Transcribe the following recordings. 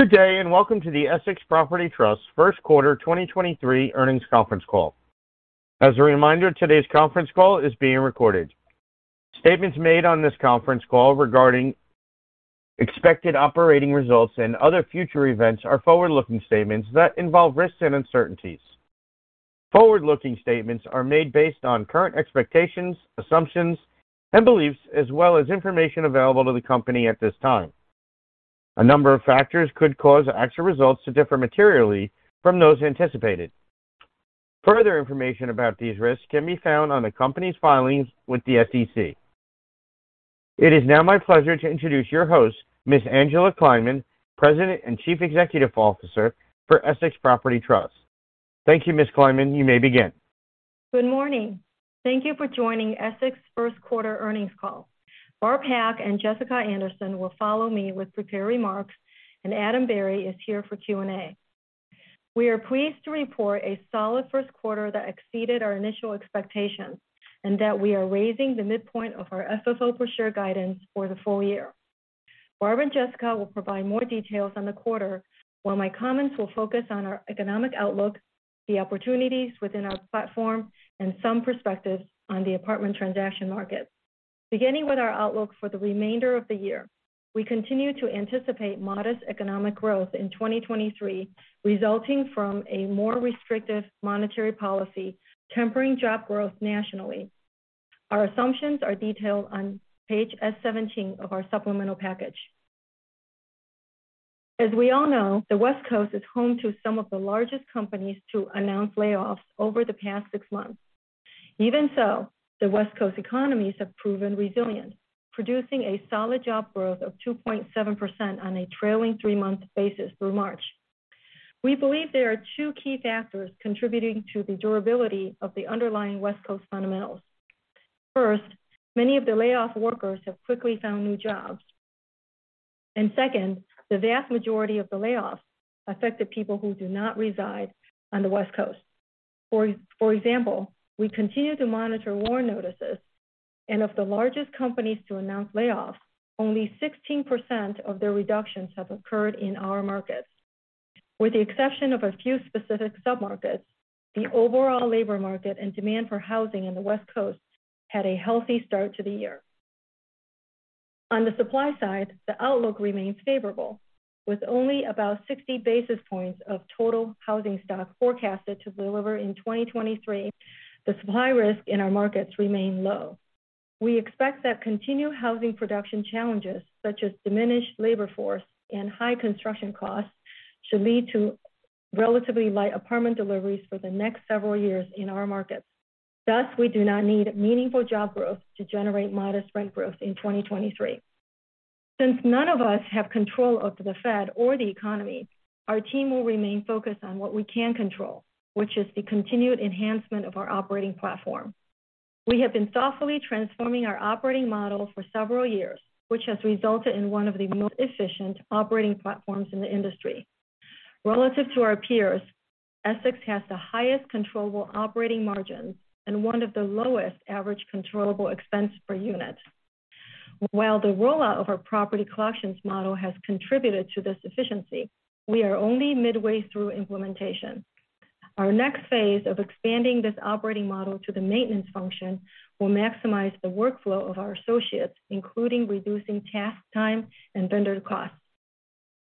Good day, and welcome to the Essex Property Trust first quarter 2023 earnings conference call. As a reminder, today's conference call is being recorded. Statements made on this conference call regarding expected operating results and other future events are forward-looking statements that involve risks and uncertainties. Forward-looking statements are made based on current expectations, assumptions, and beliefs, as well as information available to the company at this time. A number of factors could cause actual results to differ materially from those anticipated. Further information about these risks can be found on the company's filings with the SEC. It is now my pleasure to introduce your host, Ms. Angela Kleiman, President and Chief Executive Officer for Essex Property Trust. Thank you, Ms. Kleiman. You may begin. Good morning. Thank you for joining Essex first quarter earnings call. Barb Pak and Jessica Anderson will follow me with prepared remarks, and Adam Berry is here for Q&A. We are pleased to report a solid first quarter that exceeded our initial expectations, and that we are raising the midpoint of our FFO per share guidance for the full year. Barb and Jessica will provide more details on the quarter, while my comments will focus on our economic outlook, the opportunities within our platform, and some perspectives on the apartment transaction market. Beginning with our outlook for the remainder of the year, we continue to anticipate modest economic growth in 2023, resulting from a more restrictive monetary policy, tempering job growth nationally. Our assumptions are detailed on page S 17 of our supplemental package. As we all know, the West Coast is home to some of the largest companies to announce layoffs over the past six months. The West Coast economies have proven resilient, producing a solid job growth of 2.7% on a trailing three-month basis through March. We believe there are two key factors contributing to the durability of the underlying West Coast fundamentals. First, many of the layoff workers have quickly found new jobs. Second, the vast majority of the layoffs affected people who do not reside on the West Coast. For example, we continue to monitor WARN notices, and of the largest companies to announce layoffs, only 16% of their reductions have occurred in our markets. With the exception of a few specific submarkets, the overall labor market and demand for housing in the West Coast had a healthy start to the year. On the supply side, the outlook remains favorable, with only about 60 basis points of total housing stock forecasted to deliver in 2023. The supply risk in our markets remain low. We expect that continued housing production challenges, such as diminished labor force and high construction costs, should lead to relatively light apartment deliveries for the next several years in our markets. We do not need meaningful job growth to generate modest rent growth in 2023. None of us have control over the Fed or the economy, our team will remain focused on what we can control, which is the continued enhancement of our operating platform. We have been thoughtfully transforming our operating model for several years, which has resulted in one of the most efficient operating platforms in the industry. Relative to our peers, Essex has the highest controllable operating margins and one of the lowest average controllable expense per unit. While the rollout of our property collections model has contributed to this efficiency, we are only midway through implementation. Our next phase of expanding this operating model to the maintenance function will maximize the workflow of our associates, including reducing task time and vendor costs.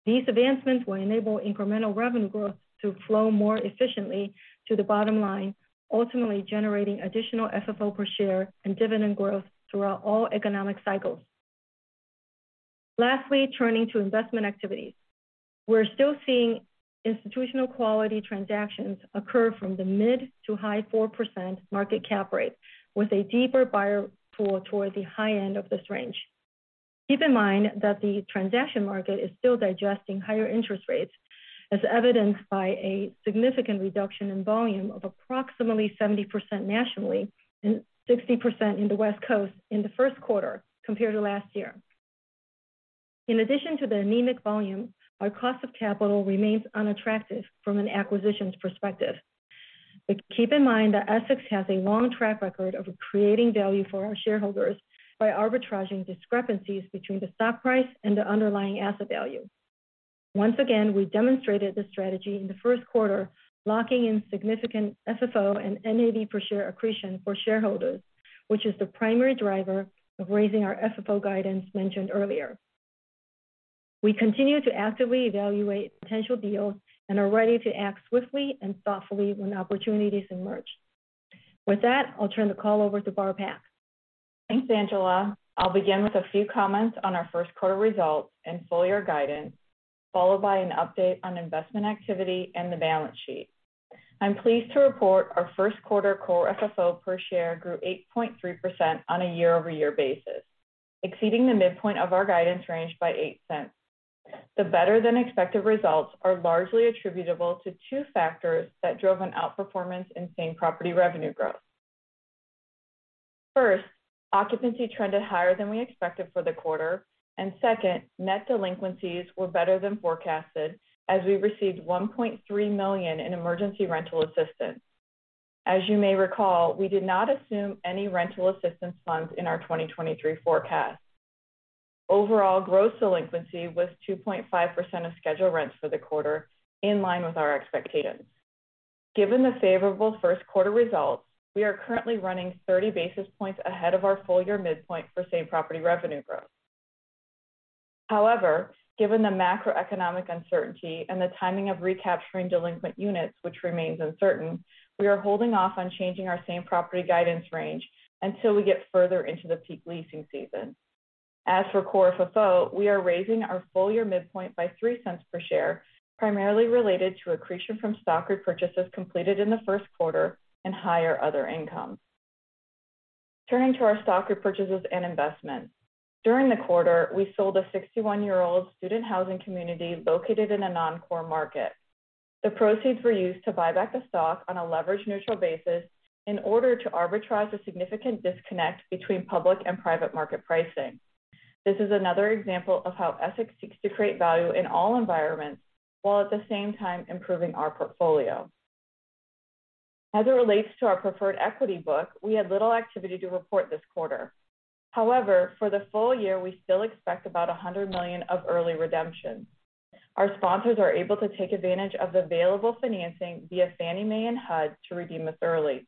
These advancements will enable incremental revenue growth to flow more efficiently to the bottom line, ultimately generating additional FFO per share and dividend growth throughout all economic cycles. Lastly, turning to investment activities. We're still seeing institutional quality transactions occur from the mid to high 4% market cap rate with a deeper buyer pool towards the high end of this range. Keep in mind that the transaction market is still digesting higher interest rates, as evidenced by a significant reduction in volume of approximately 70% nationally and 60% in the West Coast in the first quarter compared to last year. In addition to the anemic volume, our cost of capital remains unattractive from an acquisitions perspective. Keep in mind that Essex has a long track record of creating value for our shareholders by arbitraging discrepancies between the stock price and the underlying asset value. Once again, we demonstrated this strategy in the first quarter, locking in significant FFO and NAV per share accretion for shareholders, which is the primary driver of raising our FFO guidance mentioned earlier. We continue to actively evaluate potential deals and are ready to act swiftly and thoughtfully when opportunities emerge. With that, I'll turn the call over to Barb Pak. Thanks, Angela. I'll begin with a few comments on our first quarter results and full year guidance, followed by an update on investment activity and the balance sheet. I'm pleased to report our first quarter core FFO per share grew 8.3% on a year-over-year basis, exceeding the midpoint of our guidance range by $0.08. The better-than-expected results are largely attributable to two factors that drove an outperformance in same-property revenue growth. First, occupancy trended higher than we expected for the quarter. Second, net delinquencies were better than forecasted as we received $1.3 million in emergency rental assistance. As you may recall, we did not assume any rental assistance funds in our 2023 forecast. Overall gross delinquency was 2.5% of scheduled rents for the quarter, in line with our expectations. Given the favorable first quarter results, we are currently running 30 basis points ahead of our full-year midpoint for same property revenue growth. Given the macroeconomic uncertainty and the timing of recapturing delinquent units, which remains uncertain, we are holding off on changing our same property guidance range until we get further into the peak leasing season. As for core FFO, we are raising our full-year midpoint by $0.03 per share, primarily related to accretion from stock repurchases completed in the first quarter and higher other income. Turning to our stock repurchases and investments. During the quarter, we sold a 61-year-old student housing community located in a non-core market. The proceeds were used to buy back the stock on a leverage neutral basis in order to arbitrage a significant disconnect between public and private market pricing. This is another example of how Essex seeks to create value in all environments, while at the same time improving our portfolio. As it relates to our preferred equity book, we had little activity to report this quarter. For the full year, we still expect about $100 million of early redemptions. Our sponsors are able to take advantage of the available financing via Fannie Mae and HUD to redeem this early.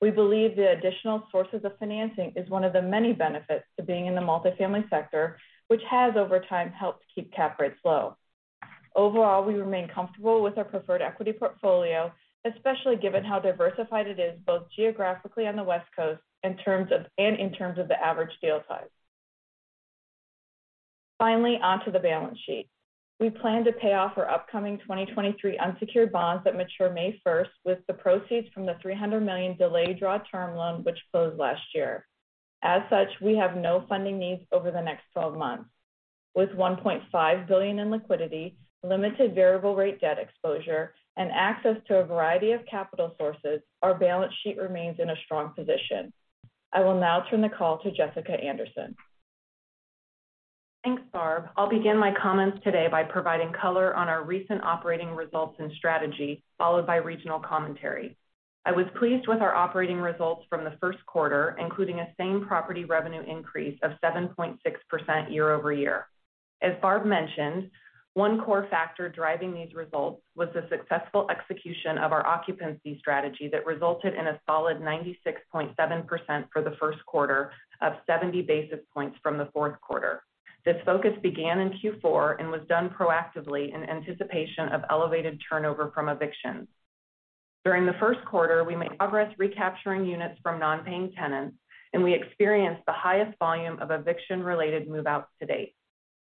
We believe the additional sources of financing is one of the many benefits to being in the multifamily sector, which has over time helped keep cap rates low. We remain comfortable with our preferred equity portfolio, especially given how diversified it is both geographically on the West Coast and in terms of the average deal size. Onto the balance sheet. We plan to pay off our upcoming 2023 unsecured bonds that mature May 1st with the proceeds from the $300 million delayed draw term loan which closed last year. As such, we have no funding needs over the next 12 months. With $1.5 billion in liquidity, limited variable rate debt exposure, and access to a variety of capital sources, our balance sheet remains in a strong position. I will now turn the call to Jessica Anderson. Thanks, Barb. I'll begin my comments today by providing color on our recent operating results and strategy, followed by regional commentary. I was pleased with our operating results from the first quarter, including a same property revenue increase of 7.6% year-over-year. As Barb mentioned, one core factor driving these results was the successful execution of our occupancy strategy that resulted in a solid 96.7% for the first quarter of 70 basis points from the fourth quarter. This focus began in Q4 and was done proactively in anticipation of elevated turnover from evictions. During the first quarter, we made progress recapturing units from non-paying tenants, and we experienced the highest volume of eviction related move-outs to date.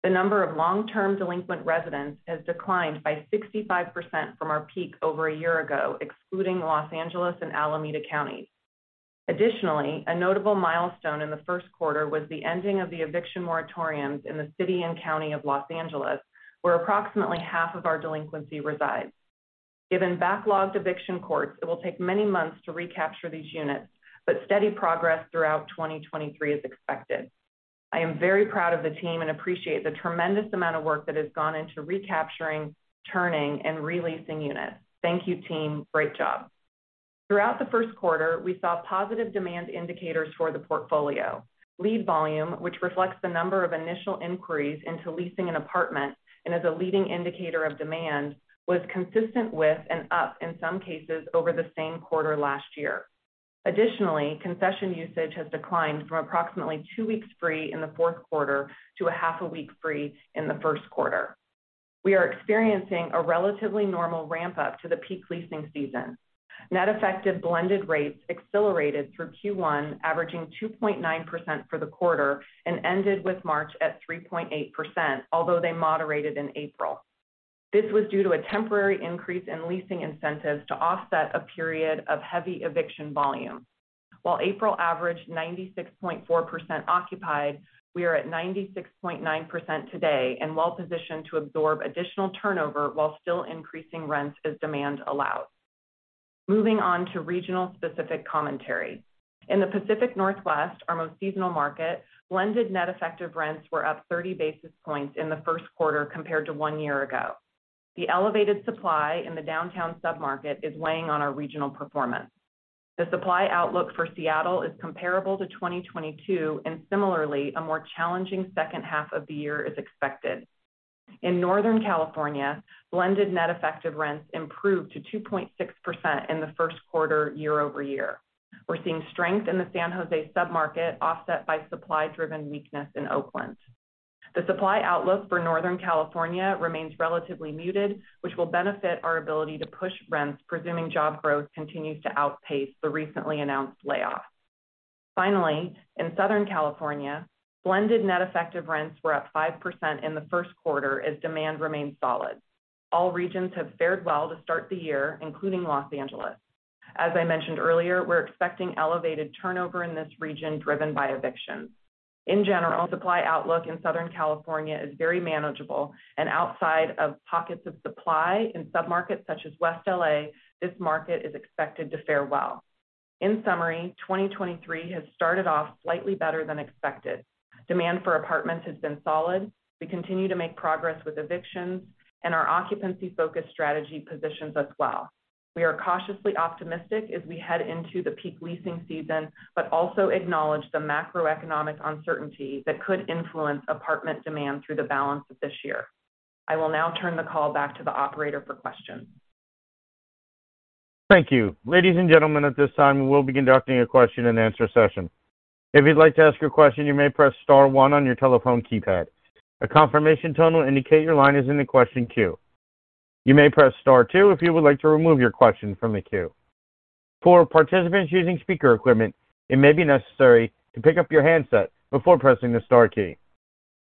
The number of long-term delinquent residents has declined by 65% from our peak over a year ago, excluding Los Angeles and Alameda County. A notable milestone in the first quarter was the ending of the eviction moratoriums in the city and county of Los Angeles, where approximately half of our delinquency resides. Given backlogged eviction courts, it will take many months to recapture these units, but steady progress throughout 2023 is expected. I am very proud of the team and appreciate the tremendous amount of work that has gone into recapturing, turning, and re-leasing units. Thank you, team. Great job. Throughout the first quarter, we saw positive demand indicators for the portfolio. Lead volume, which reflects the number of initial inquiries into leasing an apartment and is a leading indicator of demand, was consistent with and up in some cases over the same quarter last year. Concession usage has declined from approximately 2 weeks free in the fourth quarter to a half a week free in the first quarter. We are experiencing a relatively normal ramp up to the peak leasing season. Net effective blended rates accelerated through Q1, averaging 2.9% for the quarter and ended with March at 3.8%, although they moderated in April. This was due to a temporary increase in leasing incentives to offset a period of heavy eviction volume. While April averaged 96.4% occupied, we are at 96.9% today and well-positioned to absorb additional turnover while still increasing rents as demand allows. Moving on to regional specific commentary. In the Pacific Northwest, our most seasonal market, blended net effective rents were up 30 basis points in the first quarter compared to 1 year ago. The elevated supply in the downtown sub-market is weighing on our regional performance. The supply outlook for Seattle is comparable to 2022, similarly, a more challenging second half of the year is expected. In Northern California, blended net effective rents improved to 2.6% in the first quarter year-over-year. We're seeing strength in the San Jose sub-market offset by supply driven weakness in Oakland. The supply outlook for Northern California remains relatively muted, which will benefit our ability to push rents, presuming job growth continues to outpace the recently announced layoffs. In Southern California, blended net effective rents were up 5% in the first quarter as demand remained solid. All regions have fared well to start the year, including Los Angeles. As I mentioned earlier, we're expecting elevated turnover in this region driven by evictions. In general, supply outlook in Southern California is very manageable, and outside of pockets of supply in sub-markets such as West L.A., this market is expected to fare well. In summary, 2023 has started off slightly better than expected. Demand for apartments has been solid. We continue to make progress with evictions and our occupancy-focused strategy positions as well. We are cautiously optimistic as we head into the peak leasing season, but also acknowledge the macroeconomic uncertainty that could influence apartment demand through the balance of this year. I will now turn the call back to the operator for questions. Thank you. Ladies and gentlemen, at this time, we'll be conducting a question-and-answer session. If you'd like to ask a question, you may press star one on your telephone keypad. A confirmation tone will indicate your line is in the question queue. You may press star two if you would like to remove your question from the queue. For participants using speaker equipment, it may be necessary to pick up your handset before pressing the star key.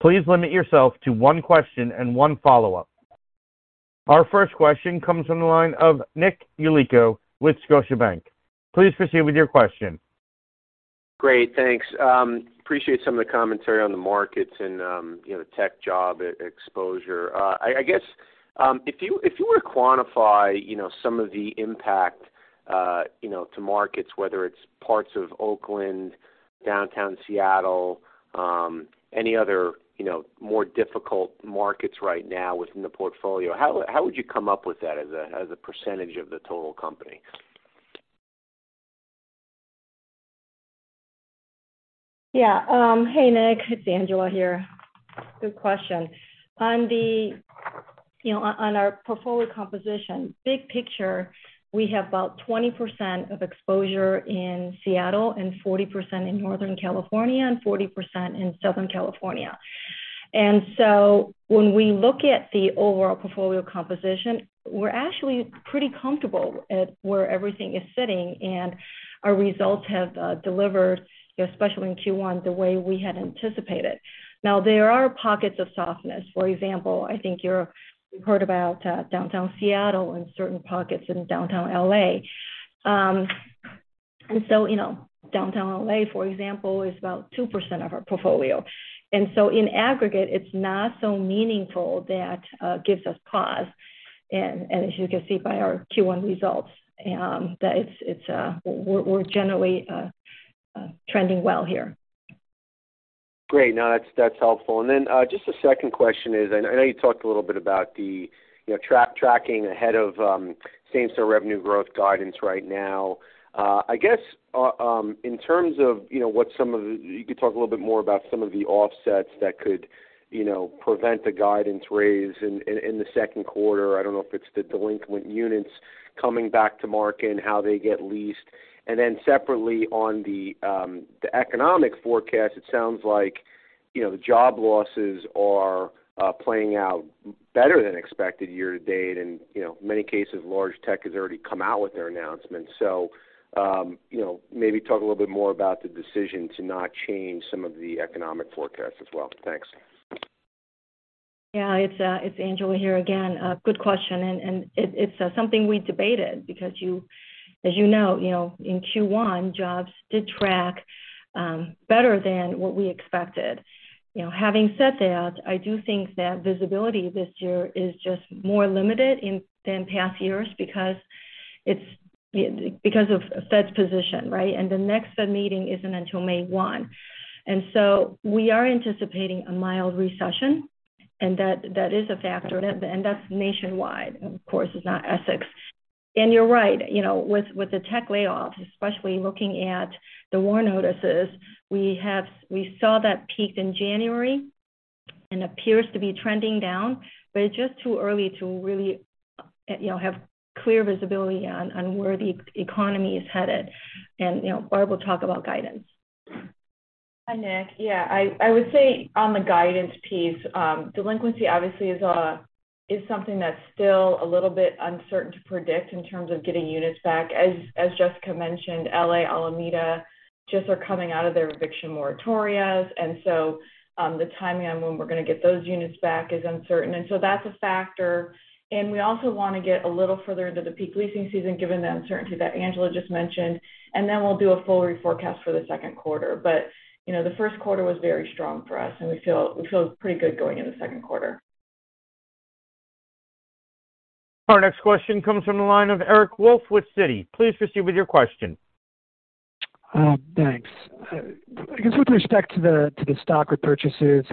Please limit yourself to one question and one follow-up. Our first question comes from the line of Nick Yulico with Scotiabank. Please proceed with your question. Great, thanks. appreciate some of the commentary on the markets and, you know, tech job e-exposure. I guess, if you, if you were to quantify, you know, some of the impact, you know, to markets, whether it's parts of Oakland, downtown Seattle, any other, you know, more difficult markets right now within the portfolio, how would you come up with that as a, as a % of the total company? Yeah. Hey, Nick. It's Angela here. Good question. You know, on our portfolio composition, big picture, we have about 20% of exposure in Seattle and 40% in Northern California and 40% in Southern California. When we look at the overall portfolio composition, we're actually pretty comfortable at where everything is sitting, and our results have delivered, especially in Q1, the way we had anticipated. Now, there are pockets of softness. For example, I think you've heard about downtown Seattle and certain pockets in downtown L.A. You know, downtown L.A., for example, is about 2% of our portfolio. In aggregate, it's not so meaningful that gives us pause. As you can see by our Q1 results, that it's we're generally trending well here. Great. No, that's helpful. Then, just a second question is, I know you talked a little bit about the, you know, tracking ahead of same-store revenue growth guidance right now. I guess, in terms of, you know, You could talk a little bit more about some of the offsets that could, you know, prevent a guidance raise in the second quarter. I don't know if it's the delinquent units coming back to market and how they get leased. Then separately, on the economic forecast, it sounds like, you know, the job losses are playing out better than expected year to date. You know, in many cases, large tech has already come out with their announcements. You know, maybe talk a little bit more about the decision to not change some of the economic forecasts as well. Thanks. Yeah. It's Angela here again. Good question, and it's something we debated because as you know, in Q1, jobs did track better than what we expected. You know, having said that, I do think that visibility this year is just more limited than past years because of Fed's position, right? The next Fed meeting isn't until May 1. We are anticipating a mild recession, and that is a factor. That's nationwide. Of course, it's not Essex. You're right. You know, with the tech layoffs, especially looking at the WARN notices, we saw that peak in January and appears to be trending down, but it's just too early to really, you know, have clear visibility on where the e-economy is headed. You know, Barb will talk about guidance. Hi, Nick. Yeah. I would say on the guidance piece, delinquency obviously is something that's still a little bit uncertain to predict in terms of getting units back. As Jessica mentioned, L.A., Alameda just are coming out of their eviction moratoria, so the timing on when we're gonna get those units back is uncertain. That's a factor. We also wanna get a little further into the peak leasing season given the uncertainty that Angela just mentioned. Then we'll do a full reforecast for the second quarter. You know, the first quarter was very strong for us, and we feel pretty good going into the second quarter. Our next question comes from the line of Eric Wolfe with Citi. Please proceed with your question. Thanks. I guess with respect to the stock repurchases,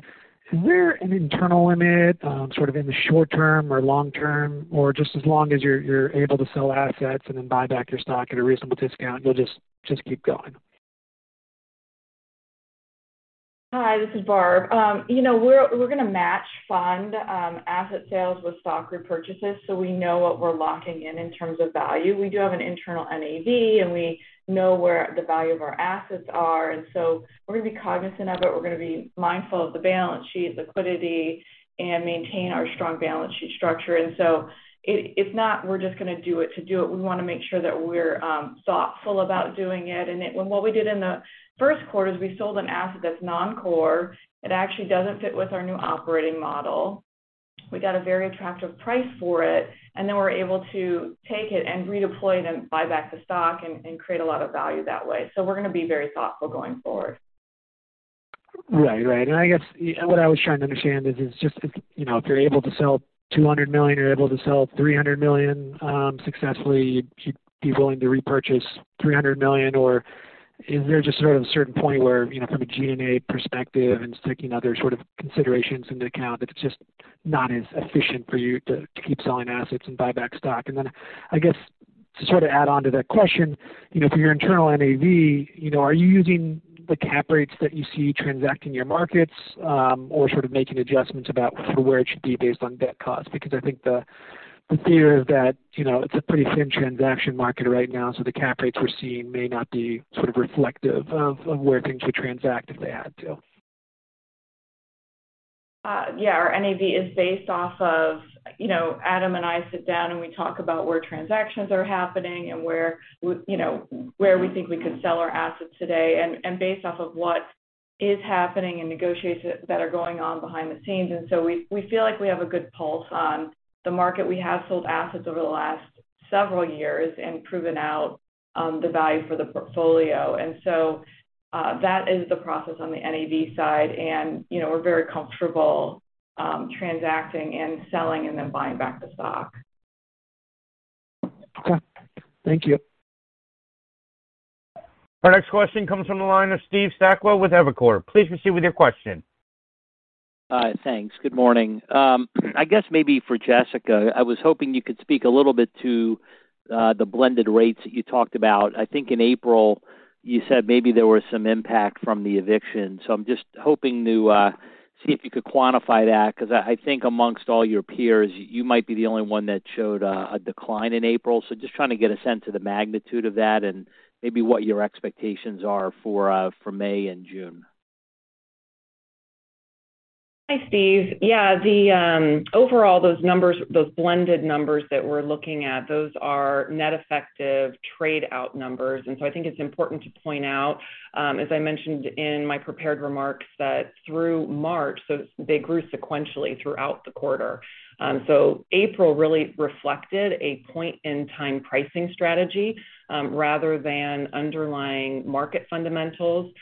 is there an internal limit, sort of in the short term or long term, or just as long as you're able to sell assets and then buy back your stock at a reasonable discount, you'll just keep going? Hi, this is Barb. You know, we're gonna match fund asset sales with stock repurchases so we know what we're locking in in terms of value. We do have an internal NAV, and we know where the value of our assets are, and so we're gonna be cognizant of it. We're gonna be mindful of the balance sheet liquidity and maintain our strong balance sheet structure. It's not we're just gonna do it to do it. We wanna make sure that we're thoughtful about doing it. What we did in the first quarter is we sold an asset that's non-core. It actually doesn't fit with our new operating model. We got a very attractive price for it, and then we're able to take it and redeploy it and buy back the stock and create a lot of value that way. We're gonna be very thoughtful going forward. Right. Right. I guess what I was trying to understand is just if, you know, if you're able to sell $200 million, you're able to sell $300 million successfully, you'd be willing to repurchase $300 million? Is there just sort of a certain point where, you know, from a G&A perspective and just taking other sort of considerations into account, that it's just not as efficient for you to keep selling assets and buy back stock. I guess to sort of add on to that question, you know, for your internal NAV, you know, are you using the cap rates that you see transacting your markets or sort of making adjustments about for where it should be based on debt costs? I think the fear is that, you know, it's a pretty thin transaction market right now, so the cap rates we're seeing may not be sort of reflective of where things would transact if they had to. Yeah, our NAV is based off of. You know, Adam and I sit down, and we talk about where transactions are happening and where, you know, where we think we could sell our assets today and based off of what is happening in negotiations that are going on behind the scenes. We feel like we have a good pulse on the market. We have sold assets over the last several years and proven out the value for the portfolio. That is the process on the NAV side. You know, we're very comfortable transacting and selling and then buying back the stock. Okay. Thank you. Our next question comes from the line of Steve Sakwa with Evercore. Please proceed with your question. Thanks. Good morning. I guess maybe for Jessica, I was hoping you could speak a little bit to the blended rates that you talked about. I think in April you said maybe there was some impact from the eviction. I'm just hoping to see if you could quantify that, 'cause I think amongst all your peers, you might be the only one that showed a decline in April. Just trying to get a sense of the magnitude of that and maybe what your expectations are for May and June. Hi, Steve. Yeah, the overall, those numbers, those blended numbers that we're looking at, those are net effective trade out numbers. I think it's important to point out, as I mentioned in my prepared remarks, that through March, they grew sequentially throughout the quarter. April really reflected a point-in-time pricing strategy, rather than underlying market fundamentals.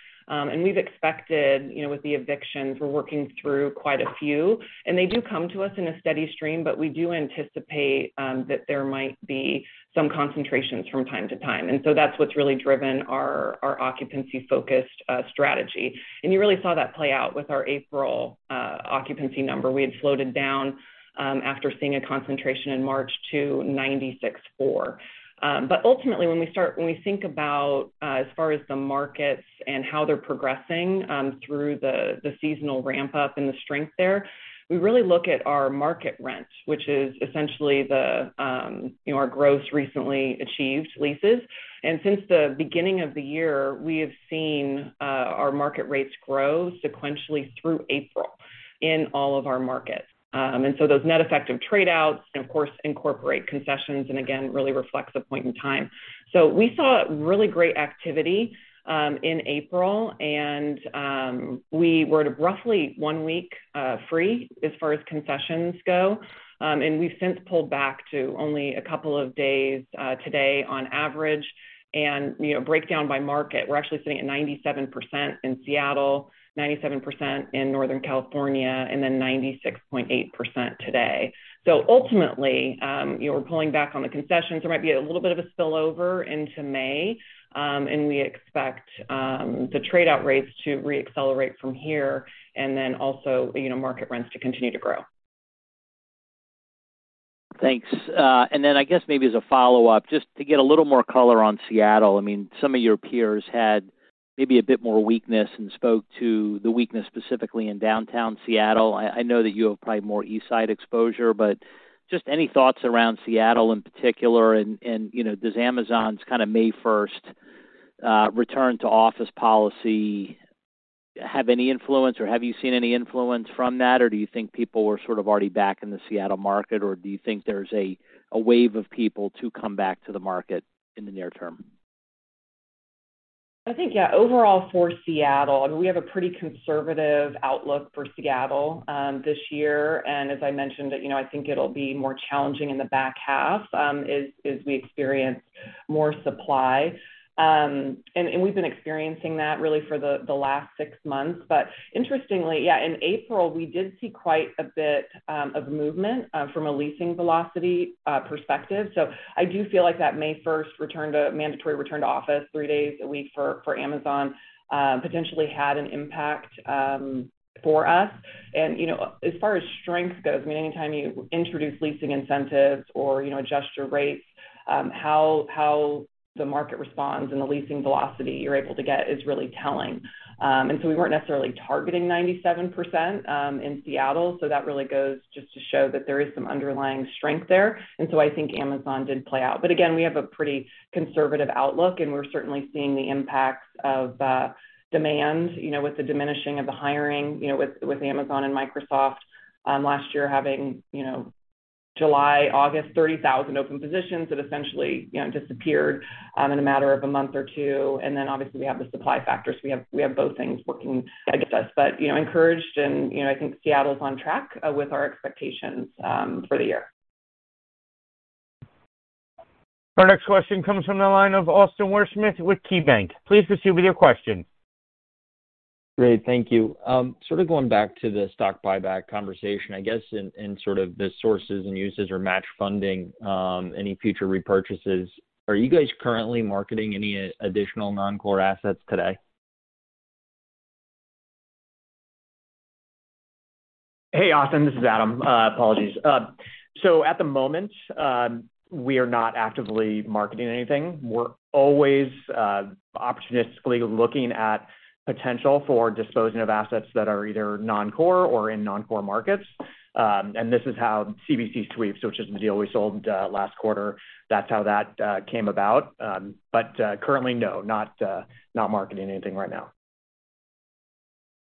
We've expected, you know, with the evictions, we're working through quite a few, and they do come to us in a steady stream, but we do anticipate that there might be some concentrations from time to time. That's what's really driven our occupancy-focused strategy. You really saw that play out with our April occupancy number. We had floated down, after seeing a concentration in March to 96.4. Ultimately, when we think about, as far as the markets and how they're progressing, through the seasonal ramp up and the strength there, we really look at our market rent, which is essentially the, you know, our gross recently achieved leases. Since the beginning of the year, we have seen our market rates grow sequentially through April in all of our markets. Those net effective trade outs, and of course incorporate concessions, and again, really reflects a point in time. We saw really great activity, in April, and, we were at roughly one week free as far as concessions go. We've since pulled back to only a couple of days today on average. You know, breakdown by market, we're actually sitting at 97% in Seattle, 97% in Northern California, and then 96.8% today. Ultimately, you know, we're pulling back on the concessions. There might be a little bit of a spillover into May, and we expect the trade out rates to re-accelerate from here and then also, you know, market rents to continue to grow. Thanks. I guess maybe as a follow-up, just to get a little more color on Seattle. I mean, some of your peers had maybe a bit more weakness and spoke to the weakness specifically in downtown Seattle. I know that you have probably more East Side exposure, but just any thoughts around Seattle in particular and, you know, does Amazon's kinda May 1st return to office policy have any influence or have you seen any influence from that, or do you think people were sort of already back in the Seattle market, or do you think there's a wave of people to come back to the market in the near term? I think, yeah, overall for Seattle, we have a pretty conservative outlook for Seattle this year. As I mentioned, you know, I think it'll be more challenging in the back half as we experience more supply. And we've been experiencing that really for the last 6 months. Interestingly, yeah, in April, we did see quite a bit of movement from a leasing velocity perspective. I do feel like that May 1st mandatory return to office 3 days a week for Amazon potentially had an impact for us. You know, as far as strength goes, I mean, anytime you introduce leasing incentives or, you know, adjust your rates, how the market responds and the leasing velocity you're able to get is really telling. We weren't necessarily targeting 97% in Seattle, so that really goes just to show that there is some underlying strength there. I think Amazon did play out. We have a pretty conservative outlook, and we're certainly seeing the impacts of demand, you know, with the diminishing of the hiring, you know, with Amazon and Microsoft, last year having, you know, July, August, 30,000 open positions that essentially, you know, disappeared in a matter of a month or two. Obviously, we have the supply factor. We have, we have both things working against us. Encouraged and, you know, I think Seattle's on track with our expectations for the year. Our next question comes from the line of Austin Wurschmidt with KeyBanc. Please proceed with your question. Great. Thank you. sort of going back to the stock buyback conversation, I guess in sort of the sources and uses or match funding, any future repurchases. Are you guys currently marketing any additional non-core assets today? Hey, Austin, this is Adam. Apologies. At the moment, we are not actively marketing anything. We're always opportunistically looking at potential for disposing of assets that are either non-core or in non-core markets. This is how CBC tweets which is the deal we sold last quarter, that's how that came about. Currently, no, not marketing anything right now.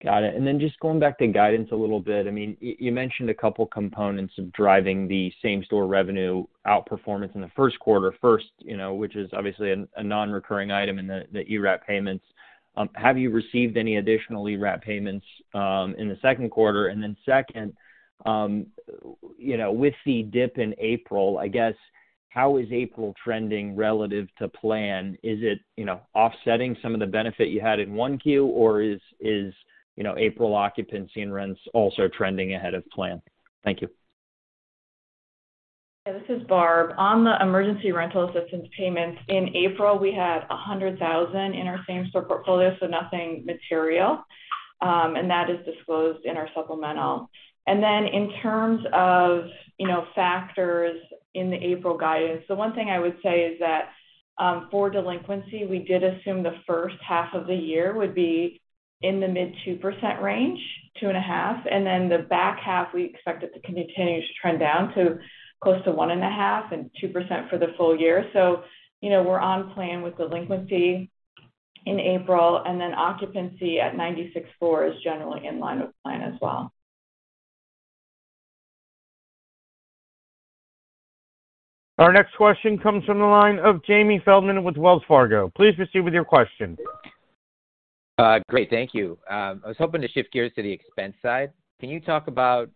Got it. Just going back to guidance a little bit. I mean, you mentioned a couple components of driving the same-store revenue outperformance in the 1st quarter. First, you know, which is obviously a non-recurring item in the ERAP payments. Have you received any additional ERAP payments in the 2nd quarter? Second, you know, with the dip in April, I guess, how is April trending relative to plan? Is it, you know, offsetting some of the benefit you had in 1Q, or is, you know, April occupancy and rents also trending ahead of plan? Thank you. This is Barb. On the emergency rental assistance payments, in April, we had $100,000 in our same-store portfolio, so nothing material. That is disclosed in our supplemental. In terms of, you know, factors in the April guidance, the one thing I would say is that for delinquency, we did assume the first half of the year would be in the mid 2% range, 2.5%. The back half, we expect it to continue to trend down to close to 1.5% and 2% for the full year. You know, we're on plan with delinquency in April, occupancy at 96.4% is generally in line with plan as well. Our next question comes from the line of Jamie Feldman with Wells Fargo. Please proceed with your question. Great. Thank you. I was hoping to shift gears to the expense side. Can you talk about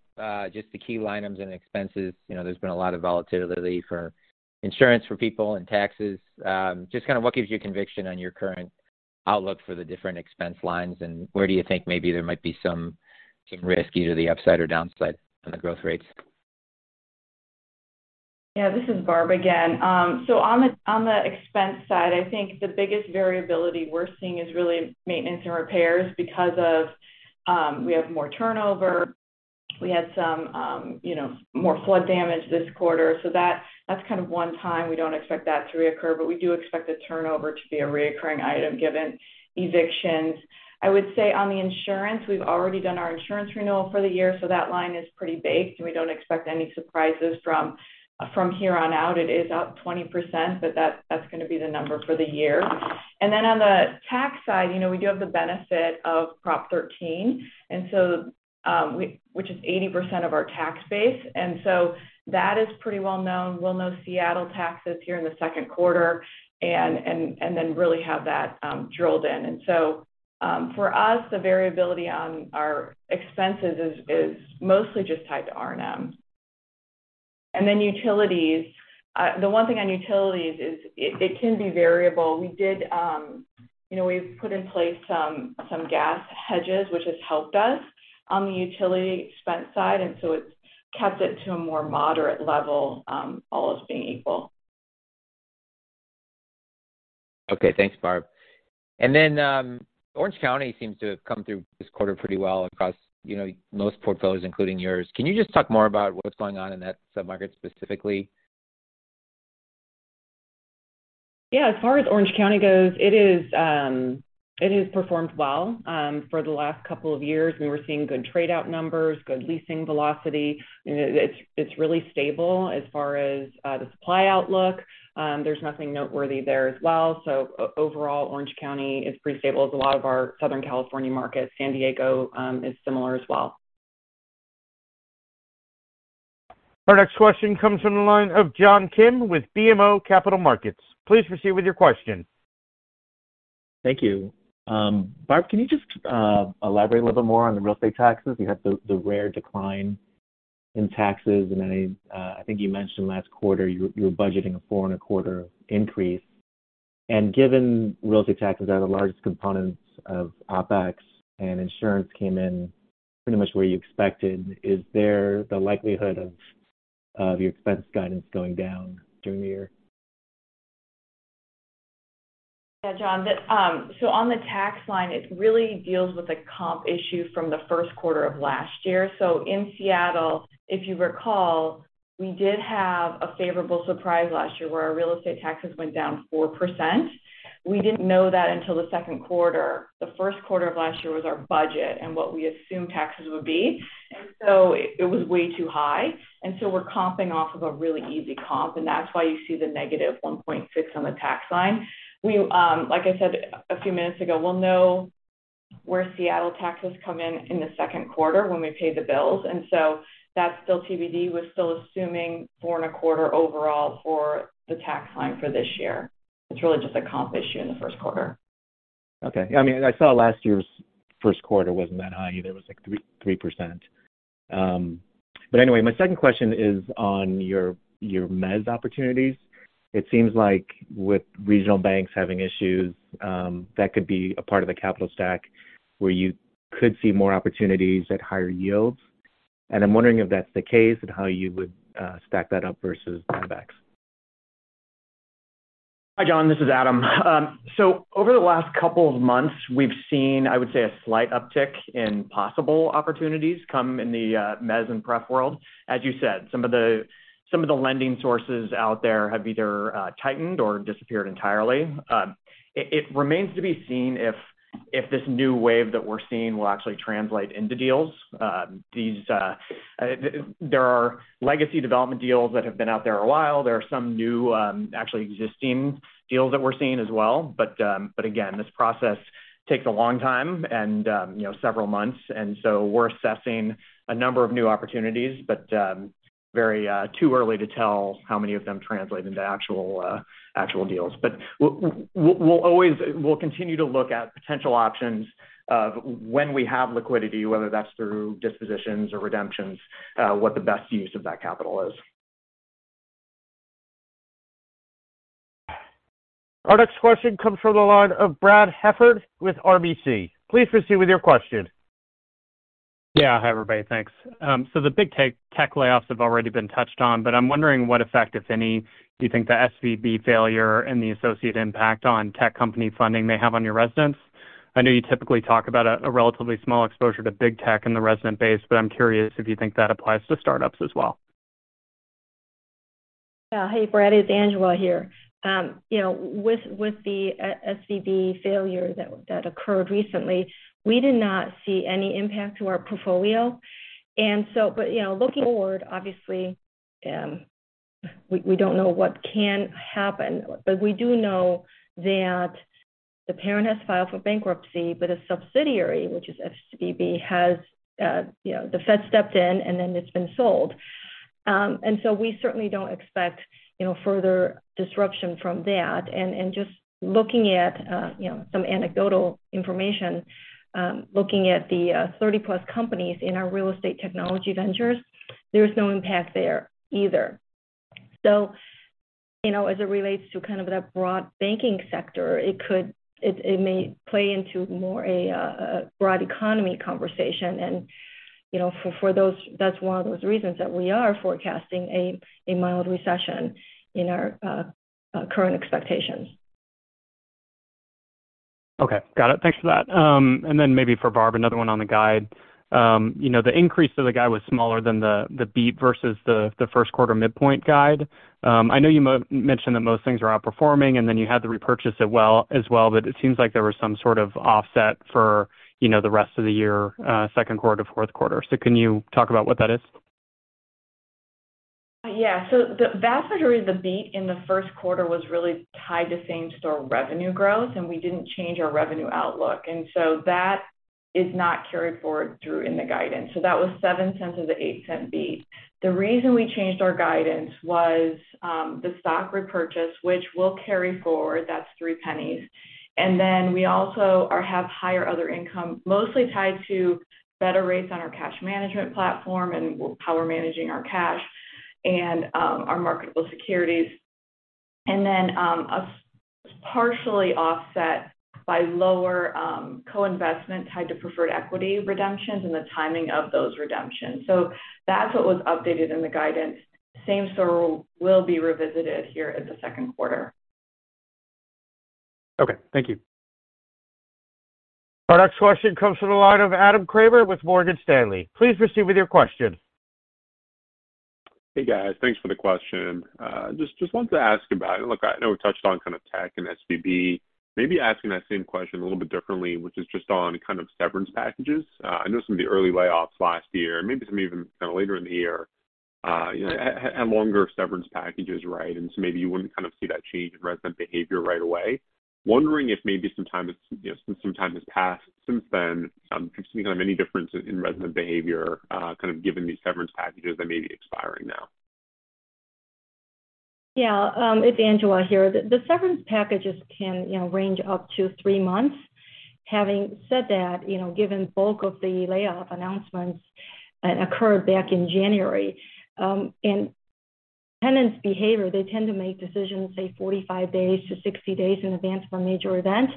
just the key line items and expenses? You know, there's been a lot of volatility for insurance for people and taxes. Just kind of what gives you conviction on your current outlook for the different expense lines, and where do you think maybe there might be some risk, either the upside or downside on the growth rates? Yeah. This is Barb again. On the, on the expense side, I think the biggest variability we're seeing is really maintenance and repairs because of, we have more turnover. We had some, you know, more flood damage this quarter. That, that's kind of one time. We don't expect that to reoccur, but we do expect the turnover to be a reoccurring item given evictions. I would say on the insurance, we've already done our insurance renewal for the year, so that line is pretty baked, and we don't expect any surprises from here on out. It is up 20%, but that's gonna be the number for the year. On the tax side, you know, we do have the benefit of Prop 13, which is 80% of our tax base, that is pretty well known. We'll know Seattle taxes here in the 2Q and then really have that drilled in. For us, the variability on our expenses is mostly just tied to RNM. Utilities. The one thing on utilities is it can be variable. We did. You know, we've put in place some gas hedges, which has helped us on the utility expense side, it's kept it to a more moderate level, all else being equal. Okay. Thanks, Barb. Orange County seems to have come through this quarter pretty well across, you know, most portfolios, including yours. Can you just talk more about what's going on in that sub-market specifically? As far as Orange County goes, it is, it has performed well, for the last couple of years, and we're seeing good trade-out numbers, good leasing velocity. You know, it's really stable as far as the supply outlook. There's nothing noteworthy there as well. Overall, Orange County is pretty stable as a lot of our Southern California markets. San Diego is similar as well. Our next question comes from the line of John Kim with BMO Capital Markets. Please proceed with your question. Thank you. Barb, can you just elaborate a little more on the real estate taxes? You had the rare decline in taxes, I think you mentioned last quarter you're budgeting a 4.25% increase. Given real estate taxes are the largest components of OpEx and insurance came in pretty much where you expected, is there the likelihood of your expense guidance going down during the year? Yeah, John. On the tax line, it really deals with a comp issue from the 1st quarter of last year. In Seattle, if you recall, we did have a favorable surprise last year where our real estate taxes went down 4%. We didn't know that until the 2nd quarter. The 1st quarter of last year was our budget and what we assumed taxes would be. It was way too high. We're comping off of a really easy comp, and that's why you see the -1.6% on the tax line. We, like I said a few minutes ago, we'll know where Seattle taxes come in the 2nd quarter when we pay the bills, and so that's still TBD. We're still assuming 4.25% overall for the tax line for this year. It's really just a comp issue in the first quarter. Okay. I mean, I saw last year's first quarter wasn't that high either. It was like 3%. Anyway, my second question is on your mezz opportunities. It seems like with regional banks having issues, that could be a part of the capital stack where you could see more opportunities at higher yields. I'm wondering if that's the case and how you would stack that up versus buybacks. Hi, John, this is Adam. Over the last couple of months, we've seen, I would say, a slight uptick in possible opportunities come in the mezz and pref world. As you said, some of the lending sources out there have either tightened or disappeared entirely. It remains to be seen if this new wave that we're seeing will actually translate into deals. These there are legacy development deals that have been out there a while. There are some new, actually existing deals that we're seeing as well. Again, this process takes a long time and, you know, several months, we're assessing a number of new opportunities. Very, too early to tell how many of them translate into actual actual deals. We'll continue to look at potential options of when we have liquidity, whether that's through dispositions or redemptions, what the best use of that capital is. Our next question comes from the line of Brad Heffern with RBC. Please proceed with your question. Yeah. Hi, everybody. Thanks. The big tech layoffs have already been touched on, but I'm wondering what effect, if any, do you think the SVB failure and the associate impact on tech company funding may have on your residents? I know you typically talk about a relatively small exposure to big tech in the resident base, but I'm curious if you think that applies to startups as well. Yeah. Hey, Brad, it's Angela here. You know, with the SVB failure that occurred recently, we did not see any impact to our portfolio. You know, looking forward, obviously, we don't know what can happen. We do know that the parent has filed for bankruptcy, but a subsidiary, which is SVB, has, you know, the Fed stepped in, and then it's been sold. We certainly don't expect, you know, further disruption from that. Just looking at, you know, some anecdotal information, looking at the 30-plus companies in our Real estate Technology Ventures, there's no impact there either. You know, as it relates to kind of that broad banking sector, it may play into more a broad economy conversation. You know, for those that's one of those reasons that we are forecasting a mild recession in our current expectations. Okay. Got it. Thanks for that. Maybe for Barb Pak, another one on the guide. You know, the increase to the guide was smaller than the beat versus the 1st quarter midpoint guide. I know you mentioned that most things are outperforming, and then you had to repurchase it as well, but it seems like there was some sort of offset for, you know, the rest of the year, 2nd quarter, 4th quarter. Can you talk about what that is? The vast majority of the beat in the first quarter was really tied to same-store revenue growth, and we didn't change our revenue outlook. That is not carried forward through in the guidance. That was $0.07 of the $0.08 beat. The reason we changed our guidance was the stock repurchase, which we'll carry forward. That's $0.03. We also have higher other income, mostly tied to better rates on our cash management platform and how we're managing our cash and our marketable securities. A partially offset by lower co-investment tied to preferred equity redemptions and the timing of those redemptions. That's what was updated in the guidance. Same-store will be revisited here at the second quarter. Okay. Thank you. Our next question comes from the line of Adam Kramer with Morgan Stanley. Please proceed with your question. Hey, guys. Thanks for the question. Just wanted to ask about, look, I know we touched on kind of tech and SVB. Maybe asking that same question a little bit differently, which is just on kind of severance packages. I know some of the early layoffs last year, and maybe some even kind of later in the year, you know, had longer severance packages, right? Maybe you wouldn't kind of see that change in resident behavior right away. Wondering if maybe some time has, you know, some time has passed since then, if you're seeing kind of any difference in resident behavior, kind of given these severance packages that may be expiring now? Yeah. It's Angela here. The severance packages can, you know, range up to three months. Having said that, you know, given bulk of the layoff announcements occurred back in January, and tenants' behavior, they tend to make decisions, say, 45 days to 60 days in advance of a major event.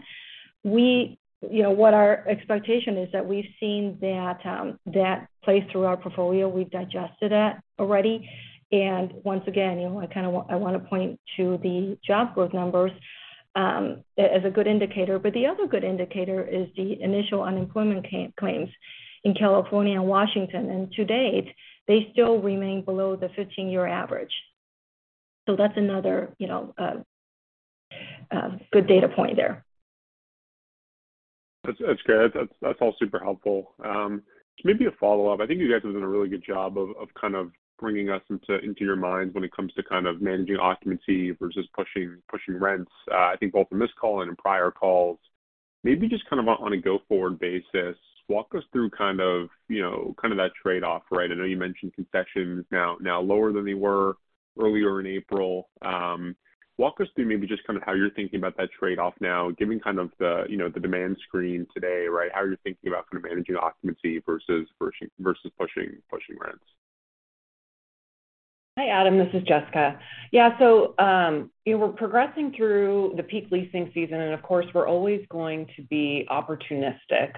You know, what our expectation is that we've seen that play through our portfolio. We've digested that already. Once again, you know, I wanna point to the job growth numbers as a good indicator. The other good indicator is the initial unemployment claims in California and Washington. To date, they still remain below the 15-year average. That's another, you know, good data point there. That's good. That's all super helpful. Just maybe a follow-up. I think you guys are doing a really good job of kind of bringing us into your minds when it comes to kind of managing occupancy versus pushing rents. I think both on this call and in prior calls. Maybe just kind of on a go-forward basis, walk us through kind of, you know, that trade-off, right? I know you mentioned concessions now lower than they were earlier in April. Walk us through maybe just kind of how you're thinking about that trade-off now, given kind of the, you know, the demand screen today, right? How you're thinking about kind of managing occupancy versus pushing rents. Hi, Adam. This is Jessica. Yeah. We're progressing through the peak leasing season, and of course, we're always going to be opportunistic,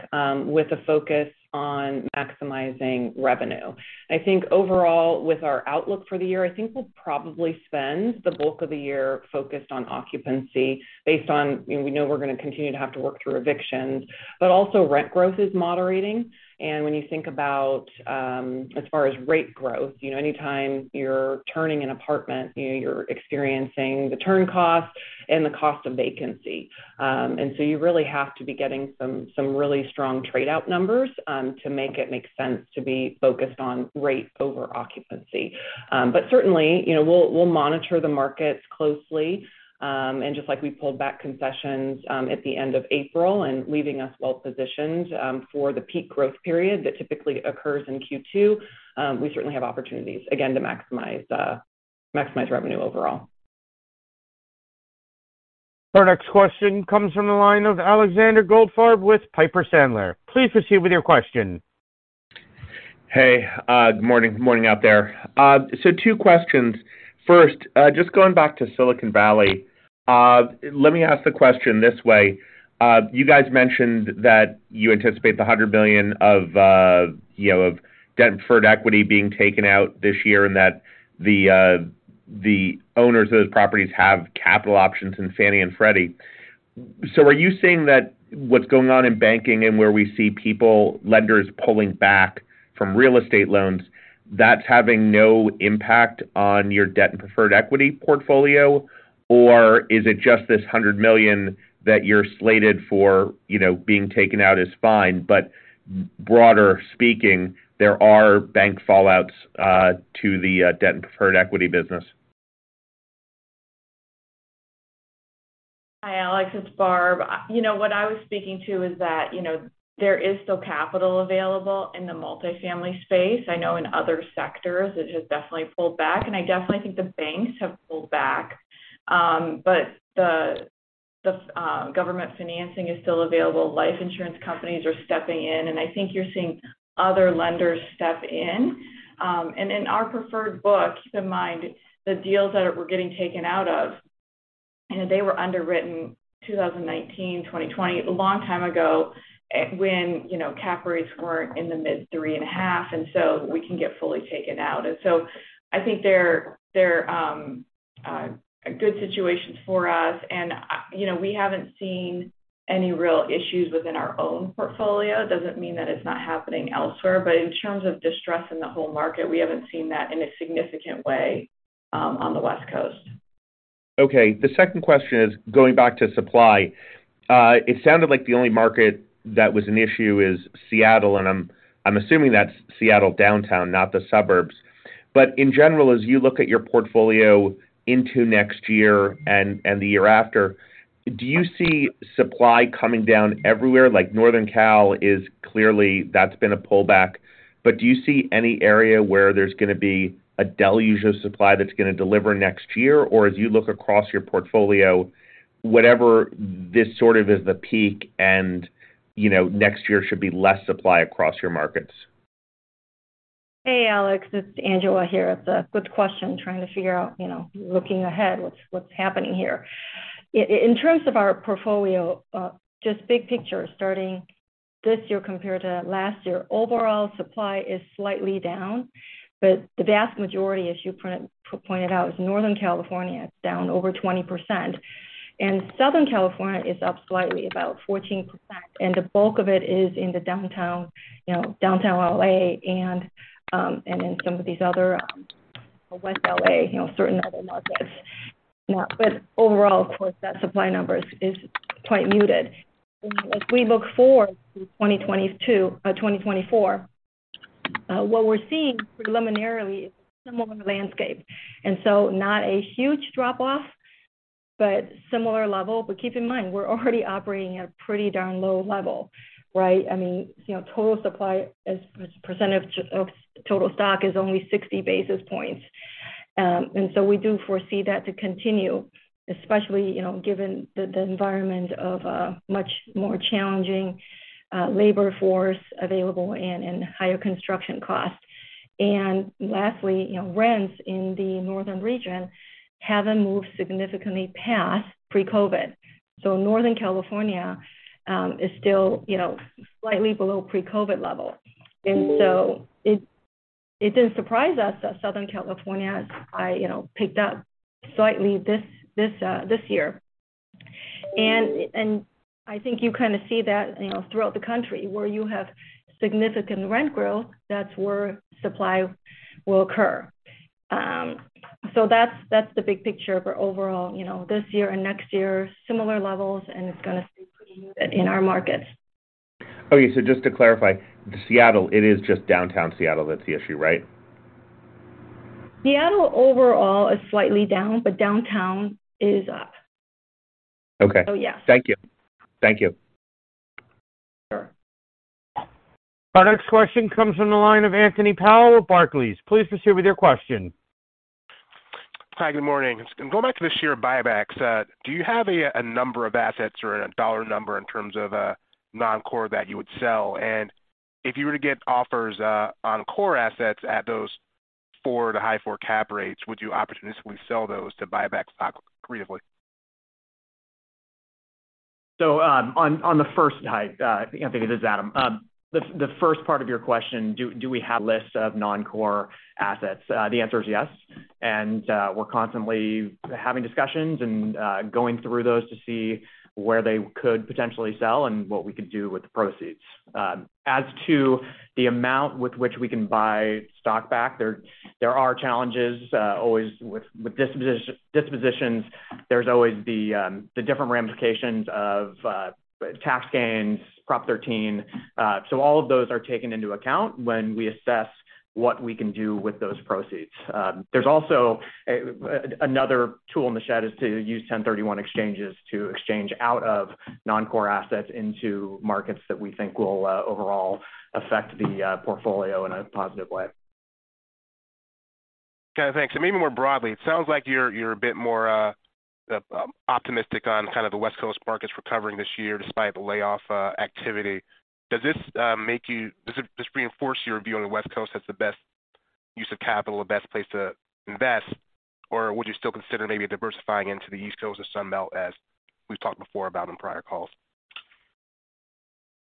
with a focus on maximizing revenue. I think overall with our outlook for the year, I think we'll probably spend the bulk of the year focused on occupancy based on, you know, we know we're gonna continue to have to work through evictions, but also rent growth is moderating. When you think about, as far as rate growth, you know, anytime you're turning an apartment, you know, you're experiencing the turn cost and the cost of vacancy. You really have to be getting some really strong trade out numbers to make it make sense to be focused on rate over occupancy. Certainly, you know, we'll monitor the markets closely. Just like we pulled back concessions, at the end of April and leaving us well-positioned, for the peak growth period that typically occurs in Q2, we certainly have opportunities again to maximize revenue overall. Our next question comes from the line of Alexander Goldfarb with Piper Sandler. Please proceed with your question. Hey, good morning. Good morning out there. Two questions. First, just going back to Silicon Valley, let me ask the question this way. You guys mentioned that you anticipate the $100 billion of, you know, of debt and preferred equity being taken out this year and that the owners of those properties have capital options in Fannie and Freddie. Are you saying that what's going on in banking and where we see people, lenders pulling back from real estate loans, that's having no impact on your debt and preferred equity portfolio? Or is it just this $100 million that you're slated for, you know, being taken out is fine, but broader speaking, there are bank fallouts to the debt and preferred equity business? Hi, Alex. It's Barb. You know, what I was speaking to is that, you know, there is still capital available in the multi-family space. I know in other sectors, it has definitely pulled back, and I definitely think the banks have pulled back. The government financing is still available. Life insurance companies are stepping in, and I think you're seeing other lenders step in. In our preferred book, keep in mind the deals that were getting taken out of, they were underwritten 2019, 2020, a long time ago when, you know, cap rates weren't in the mid 3.5, and so we can get fully taken out. I think they're good situations for us. You know, we haven't seen any real issues within our own portfolio. Doesn't mean that it's not happening elsewhere. In terms of distress in the whole market, we haven't seen that in a significant way on the West Coast. Okay. The second question is going back to supply. It sounded like the only market that was an issue is Seattle, and I'm assuming that's Seattle downtown, not the suburbs. In general, as you look at your portfolio into next year and the year after, do you see supply coming down everywhere? Like Northern Cal is clearly that's been a pullback. Do you see any area where there's gonna be a deluge of supply that's gonna deliver next year? As you look across your portfolio, whatever this sort of is the peak and, you know, next year should be less supply across your markets. Hey, Alex. It's Angela here. It's a good question. Trying to figure out, you know, looking ahead, what's happening here. In terms of our portfolio, just big picture, starting this year compared to last year, overall supply is slightly down, but the vast majority, as you pointed out, is Northern California. It's down over 20%, and Southern California is up slightly, about 14%, and the bulk of it is in the downtown, you know, Downtown L.A. and in some of these other, West L.A., you know, certain other markets. Overall, of course, that supply numbers is quite muted. If we look forward to 2022, 2024, what we're seeing preliminarily is similar landscape, not a huge drop off, but similar level. Keep in mind, we're already operating at a pretty darn low level, right? I mean, you know, total supply as a percentage of total stock is only 60 basis points. We do foresee that to continue, especially, you know, given the environment of a much more challenging labor force available and higher construction costs. Lastly, you know, rents in the northern region haven't moved significantly past pre-COVID. So Northern California is still, you know, slightly below pre-COVID levels. It didn't surprise us that Southern California, you know, picked up slightly this year. I think you kinda see that, you know, throughout the country where you have significant rent growth, that's where supply will occur. That's, that's the big picture of our overall, you know, this year and next year, similar levels, and it's gonna stay pretty muted in our markets. Just to clarify, Seattle, it is just downtown Seattle that's the issue, right? Seattle overall is slightly down, but downtown is up. Okay. Yes. Thank you. Thank you. Sure. Our next question comes from the line of Anthony Powell with Barclays. Please proceed with your question. Hi, good morning. Going back to the share buybacks, do you have a number of assets or a dollar number in terms of non-core that you would sell? If you were to get offers on core assets at those four to high four cap rates, would you opportunistically sell those to buy back stock creatively? On the first type, Anthony, this is Adam. The first part of your question, do we have lists of non-core assets? The answer is yes. We're constantly having discussions and going through those to see where they could potentially sell and what we could do with the proceeds. As to the amount with which we can buy stock back, there are challenges always with disposition, dispositions. There's always the different ramifications of tax gains, Prop 13. All of those are taken into account when we assess what we can do with those proceeds. There's also, another tool in the shed is to use 1031 exchanges to exchange out of non-core assets into markets that we think will overall affect the portfolio in a positive way. Okay, thanks. Maybe more broadly, it sounds like you're a bit more optimistic on kind of the West Coast markets recovering this year despite the layoff activity. Does it just reinforce your view on the West Coast as the best use of capital, the best place to invest? Would you still consider maybe diversifying into the East Coast or Sun Belt as we've talked before about in prior calls?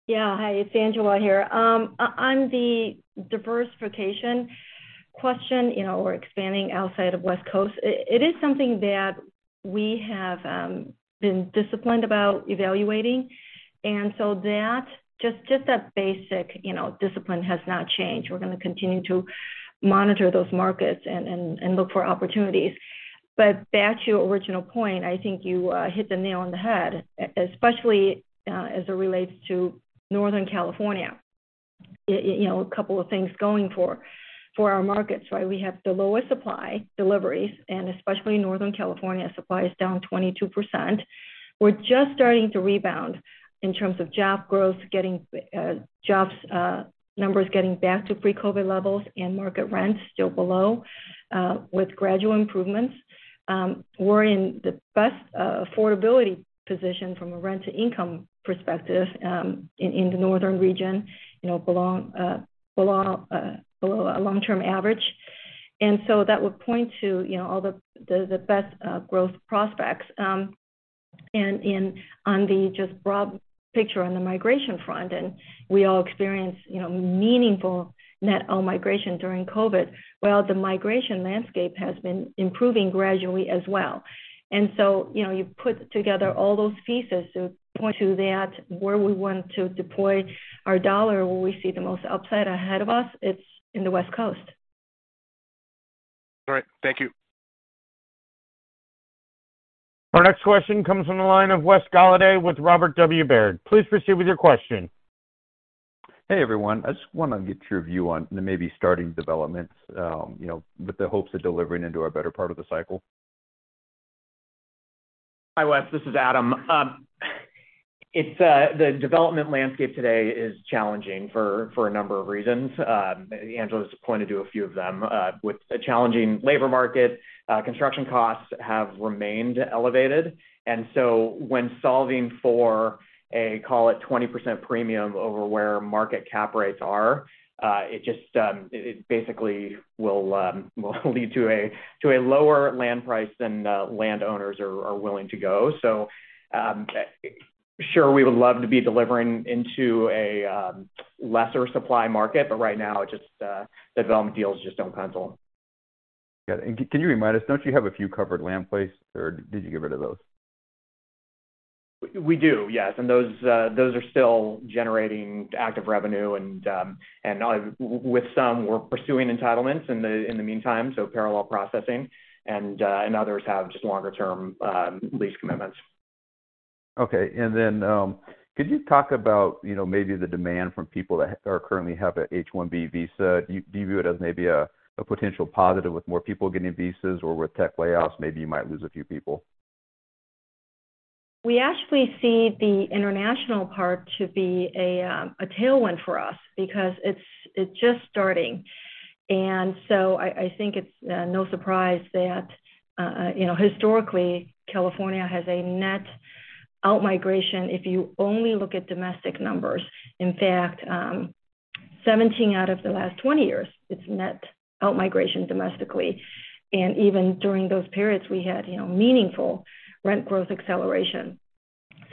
Yeah. Hi, it's Angela here. On the diversification question, you know, we're expanding outside of West Coast. It is something that we have been disciplined about evaluating. That, just that basic, you know, discipline has not changed. We're gonna continue to monitor those markets and look for opportunities. Back to your original point, I think you hit the nail on the head, especially as it relates to Northern California. You know, a couple of things going for our markets, right? We have the lowest supply deliveries, and especially in Northern California, supply is down 22%. We're just starting to rebound in terms of job growth, getting jobs numbers getting back to pre-COVID levels and market rents still below with gradual improvements. We're in the best affordability position from a rent-to-income perspective, in the northern region, you know, below long-term average. That would point to, you know, all the best growth prospects. On the just broad picture on the migration front, we all experienced, you know, meaningful net out-migration during COVID. Well, the migration landscape has been improving gradually as well. You know, you put together all those pieces to point to that where we want to deploy our dollar, where we see the most upside ahead of us, it's in the West Coast. All right. Thank you. Our next question comes from the line of Wes Golladay with Robert W. Baird. Please proceed with your question. Hey, everyone. I just wanna get your view on the maybe starting developments, you know, with the hopes of delivering into our better part of the cycle. Hi, Wes. This is Adam. It's the development landscape today is challenging for a number of reasons. Angela's pointed to a few of them. With a challenging labor market, construction costs have remained elevated. When solving for, a call it 20% premium over where market cap rates are, it just basically will lead to a lower land price than landowners are willing to go. Sure, we would love to be delivering into a lesser supply market, but right now, development deals just don't pencil. Got it. Can you remind us, don't you have a few covered land plays, or did you get rid of those? We do, yes. Those are still generating active revenue. With some, we're pursuing entitlements in the meantime, so parallel processing. Others have just longer-term lease commitments. Okay. Then, could you talk about, you know, maybe the demand from people that are currently have a H-1B visa. Do you view it as maybe a potential positive with more people getting visas or with tech layoffs, maybe you might lose a few people? We actually see the international part to be a tailwind for us because it's just starting. I think it's no surprise that, you know, historically, California has a net out-migration if you only look at domestic numbers. In fact, 17 out of the last 20 years, it's net out-migration domestically. Even during those periods, we had, you know, meaningful rent growth acceleration.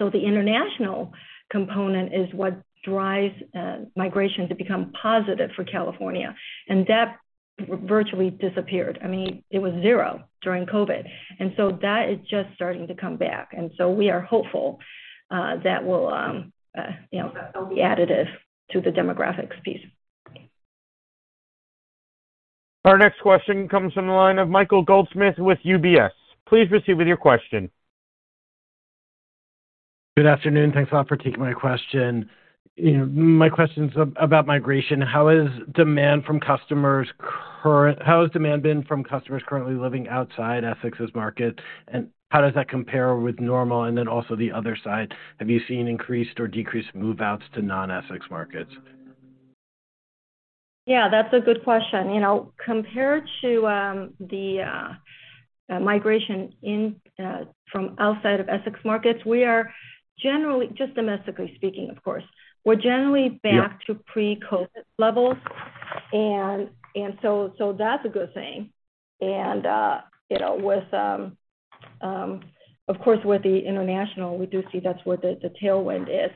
The international component is what drives migration to become positive for California. That virtually disappeared. I mean, it was 0 during COVID. That is just starting to come back. We are hopeful that will, you know, that'll be additive to the demographics piece. Our next question comes from the line of Michael Goldsmith with UBS. Please proceed with your question. Good afternoon. Thanks a lot for taking my question. My question is about migration. How is demand from customers? How has demand been from customers currently living outside Essex's market, and how does that compare with normal? The other side, have you seen increased or decreased move-outs to non-Essex markets? Yeah, that's a good question. You know, compared to the migration from outside of Essex markets, we are generally, just domestically speaking, of course, we're generally... Yeah back to pre-COVID levels. That's a good thing. You know, with, of course, with the international, we do see that's where the tailwind is.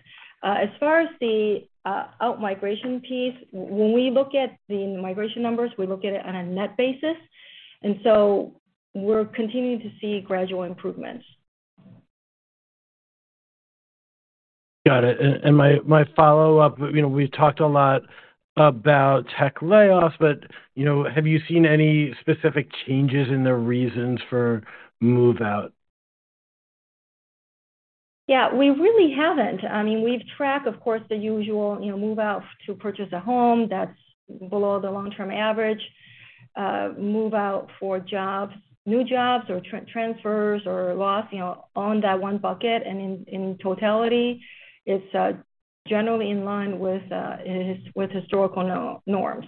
As far as the outmigration piece, when we look at the migration numbers, we look at it on a net basis, and so we're continuing to see gradual improvements. Got it. My, my follow-up, you know, we've talked a lot about tech layoffs, but, you know, have you seen any specific changes in the reasons for move-out? Yeah, we really haven't. I mean, we've tracked, of course, the usual, you know, move-out to purchase a home that's below the long-term average, move-out for jobs, new jobs or transfers or loss, you know, on that one bucket. In totality, it's generally in line with historical norms.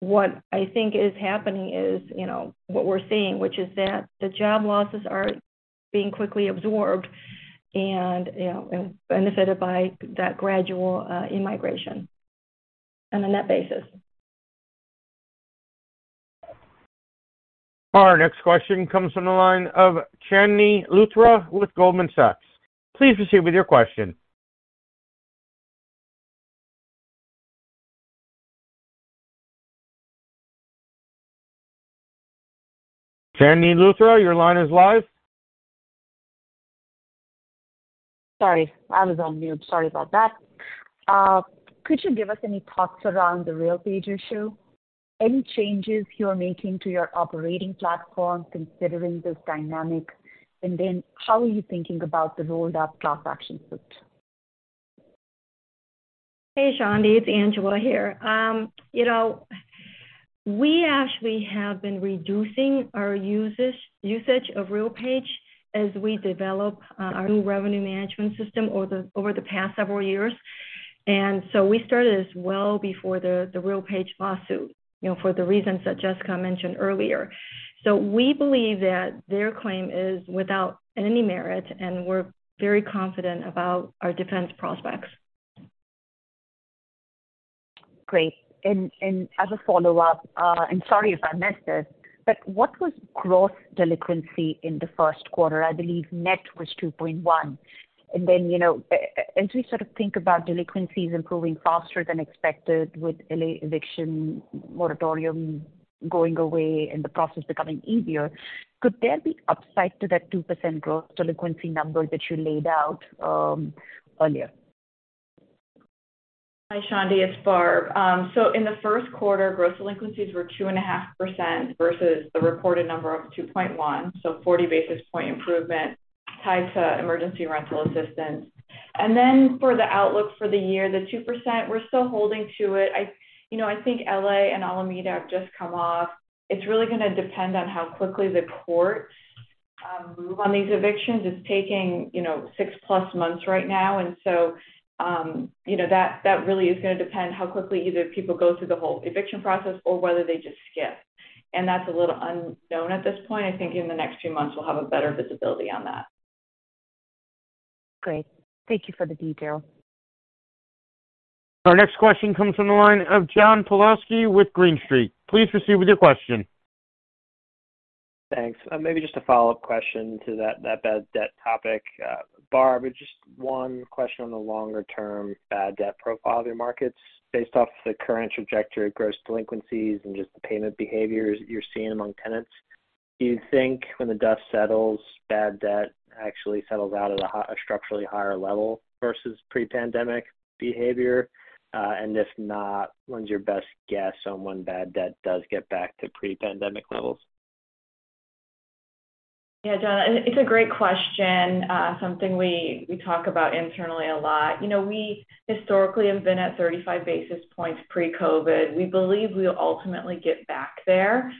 What I think is happening is, you know, what we're seeing, which is that the job losses are being quickly absorbed and, you know, and benefited by that gradual immigration on a net basis. Our next question comes from the line of Chandni Luthra with Goldman Sachs. Please proceed with your question. Chandni Luthra, your line is live. Sorry, I was on mute. Sorry about that. Could you give us any thoughts around the RealPage issue? Any changes you're making to your operating platform considering this dynamic? How are you thinking about the rolled-up class action suit? Hey, Chandni, it's Angela here. you know, we actually have been reducing our usage of RealPage as we develop our new revenue management system over the past several years. We started this well before the RealPage lawsuit, you know, for the reasons that Jessica mentioned earlier. We believe that their claim is without any merit, and we're very confident about our defense prospects. Great. As a follow-up, and sorry if I missed this, but what was gross delinquency in the first quarter? I believe net was 2.1. Then, you know, as we sort of think about delinquencies improving faster than expected with L.A. eviction moratorium going away and the process becoming easier, could there be upside to that 2% gross delinquency number that you laid out earlier? Hi, Chandni, it's Barb. In the first quarter, gross delinquencies were 2.5% versus the reported number of 2.1, 40 basis point improvement tied to emergency rental assistance. Then for the outlook for the year, the 2%, we're still holding to it. You know, I think L.A. and Alameda have just come off. It's really gonna depend on how quickly the courts move on these evictions. It's taking, you know, 6-plus months right now. You know, that really is gonna depend how quickly either people go through the whole eviction process or whether they just skip. That's a little unknown at this point. I think in the next few months we'll have a better visibility on that. Great. Thank you for the detail. Our next question comes from the line of John Pawlowski with Green Street. Please proceed with your question. Thanks. Maybe just a follow-up question to that bad debt topic. Barb, just one question on the longer term bad debt profile of your markets. Based off the current trajectory of gross delinquencies and just the payment behaviors you're seeing among tenants, do you think when the dust settles, bad debt actually settles out at a structurally higher level versus pre-pandemic behavior? If not, when's your best guess on when bad debt does get back to pre-pandemic levels? Yeah, John, it's a great question, something we talk about internally a lot. You know, we historically have been at 35 basis points pre-COVID. We believe we'll ultimately get back there,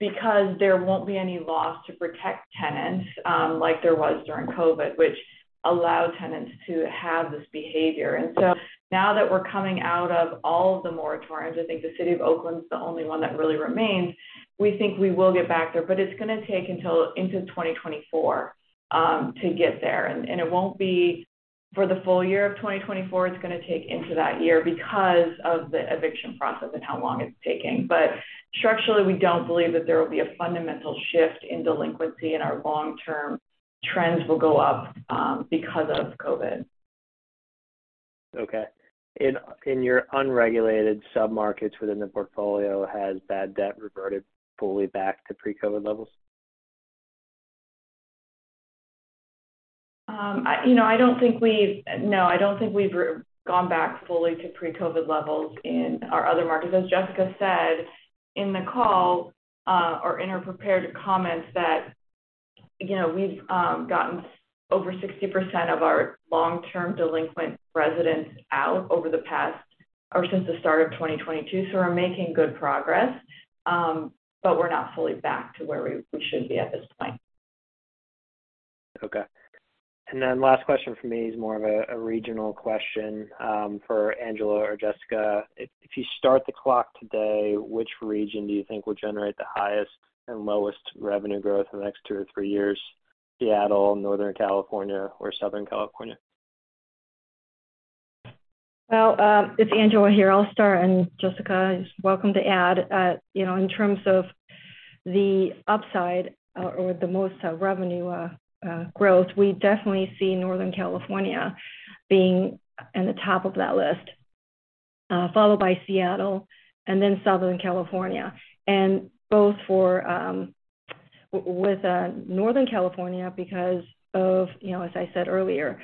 because there won't be any laws to protect tenants, like there was during COVID, which allowed tenants to have this behavior. Now that we're coming out of all of the moratoriums, I think the city of Oakland's the only one that really remains, we think we will get back there. It's gonna take until into 2024 to get there. It won't be for the full year of 2024, it's gonna take into that year because of the eviction process and how long it's taking. Structurally, we don't believe that there will be a fundamental shift in delinquency, and our long-term trends will go up because of COVID. Okay. In your unregulated sub-markets within the portfolio, has bad debt reverted fully back to pre-COVID levels? you know, No, I don't think we've gone back fully to pre-COVID levels in our other markets. As Jessica Anderson said in the call, or in her prepared comments that You know, we've gotten over 60% of our long-term delinquent residents out over the past or since the start of 2022. We're making good progress. We're not fully back to where we should be at this point. Okay. Last question from me is more of a regional question, for Angela or Jessica. If you start the clock today, which region do you think will generate the highest and lowest revenue growth in the next two or three years? Seattle, Northern California, or Southern California? Well, it's Angela Kleiman here. I'll start, and Jessica Anderson is welcome to add. You know, in terms of the upside or the most revenue growth, we definitely see Northern California being in the top of that list. Followed by Seattle and then Southern California. Both for Northern California because of, you know, as I said earlier,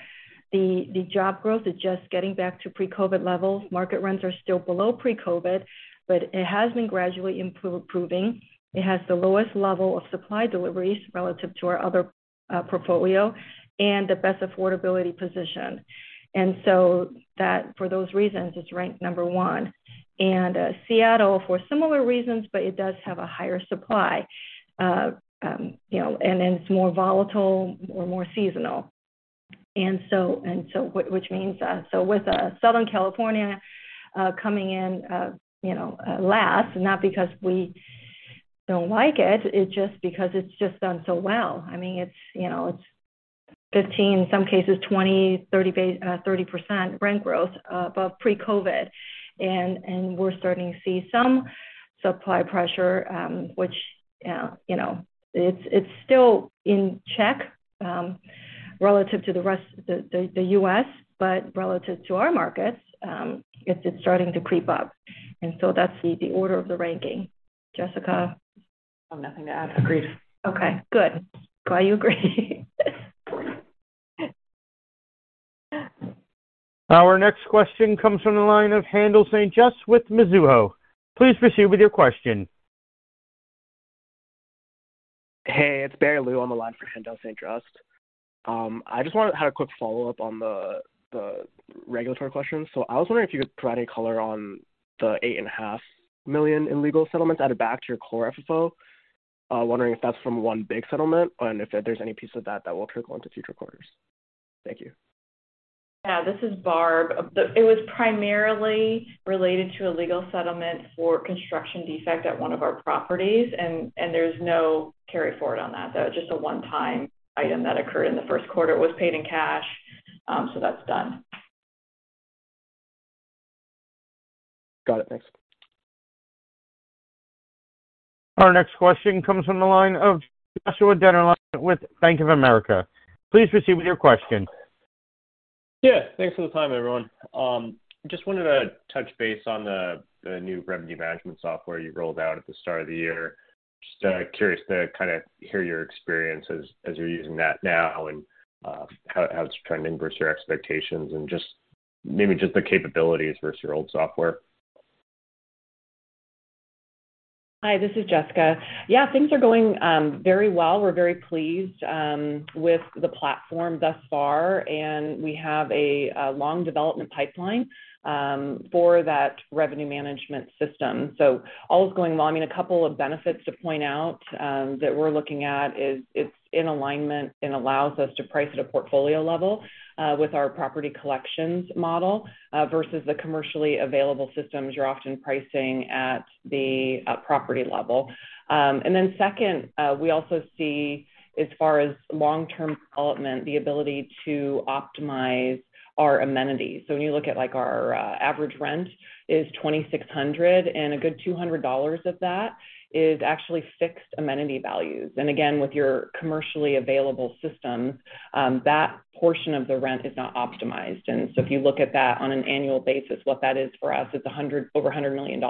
the job growth is just getting back to pre-COVID levels. Market rents are still below pre-COVID, but it has been gradually improving. It has the lowest level of supply deliveries relative to our other portfolio and the best affordability position. That, for those reasons, it's ranked number one. Seattle for similar reasons, but it does have a higher supply. You know, it's more volatile or more seasonal. Which means. With Southern California coming in, you know, last, not because we don't like it's just because it's just done so well. I mean, it's, you know, it's 15, in some cases, 20, 30% rent growth above pre-COVID. We're starting to see some supply pressure, which, you know, it's still in check, relative to the rest of the U.S., but relative to our markets, it's just starting to creep up. That's the order of the ranking. Jessica? I have nothing to add. Agree. Okay, good. Glad you agree. Our next question comes from the line of Haendel St. Juste with Mizuho. Please proceed with your question. Hey, it's Barry Lu on the line for Haendel St. Juste. I just wanted to have a quick follow-up on the regulatory question. I was wondering if you could provide any color on the $eight and a half million in legal settlements added back to your core FFO. Wondering if that's from one big settlement and if there's any piece of that that will trickle into future quarters. Thank you. Yeah. This is Barb. It was primarily related to a legal settlement for construction defect at one of our properties, and there's no carry forward on that. That was just a one-time item that occurred in the first quarter. It was paid in cash, that's done. Got it. Thanks. Our next question comes from the line of Joshua Dennerlein with Bank of America. Please proceed with your question. Thanks for the time, everyone. Just wanted to touch base on the new revenue management software you rolled out at the start of the year. Just curious to kinda hear your experience as you're using that now and how it's trending versus your expectations and just maybe the capabilities versus your old software. Hi, this is Jessica. Yeah, things are going very well. We're very pleased with the platform thus far, and we have a long development pipeline for that revenue management system. All is going well. I mean, a couple of benefits to point out that we're looking at is it's in alignment and allows us to price at a portfolio level with our property collections model versus the commercially available systems you're often pricing at the property level. Second, we also see as far as long-term development, the ability to optimize our amenities. When you look at like our average rent is $2,600, and a good $200 of that is actually fixed amenity values. Again, with your commercially available systems, that portion of the rent is not optimized. If you look at that on an annual basis, what that is for us is over $100 million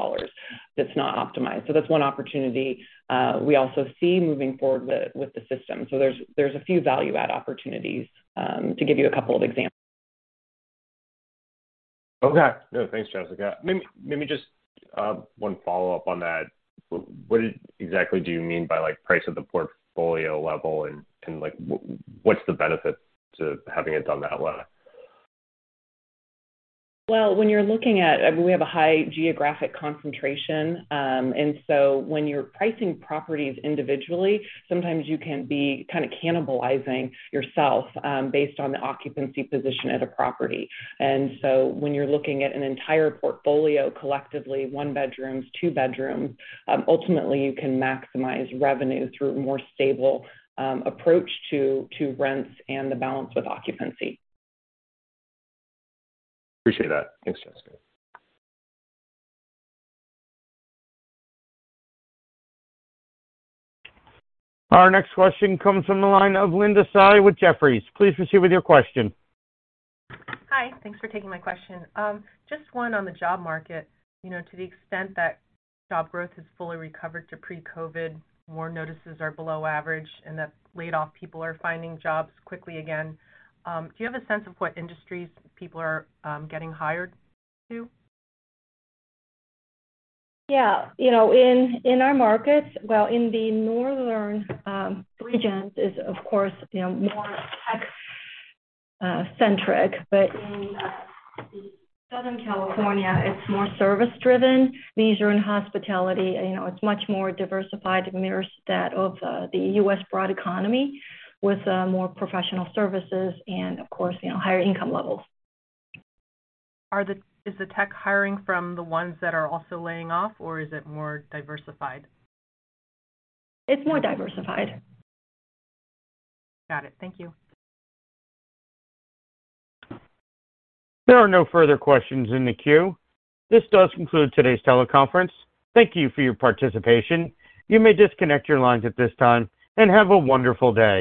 that's not optimized. That's one opportunity, we also see moving forward with the system. There's a few value add opportunities, to give you a couple of examples. Okay. No, thanks, Jessica. Maybe just one follow-up on that. What exactly do you mean by like price at the portfolio level and like, what's the benefit to having it done that way? We have a high geographic concentration, and so when you're pricing properties individually, sometimes you can be kinda cannibalizing yourself, based on the occupancy position at a property. When you're looking at an entire portfolio collectively, one bedrooms, two bedrooms, ultimately you can maximize revenue through a more stable approach to rents and the balance with occupancy. Appreciate that. Thanks, Jessica. Our next question comes from the line of Linda Tsai with Jefferies. Please proceed with your question. Hi. Thanks for taking my question. Just one on the job market. You know, to the extent that job growth has fully recovered to pre-COVID, more notices are below average, and that laid-off people are finding jobs quickly again. Do you have a sense of what industries people are getting hired to? Yeah. You know, in our markets, well, in the northern regions is of course, you know, more tech centric. In the Southern California, it's more service driven, leisure and hospitality. You know, it's much more diversified, mirrors that of the U.S. broad economy with more professional services and of course, you know, higher income levels. Is the tech hiring from the ones that are also laying off or is it more diversified? It's more diversified. Got it. Thank you. There are no further questions in the queue. This does conclude today's teleconference. Thank you for your participation. You may disconnect your lines at this time, and have a wonderful day.